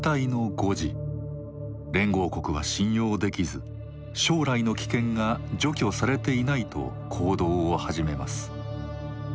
連合国は信用できず「将来の危険」が除去されていないと行動を始めます。